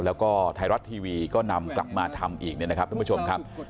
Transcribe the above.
แล้วไทยรัฐทีวีก็นำกลับมาทำอีกนะครับทุกผู้ชมครับ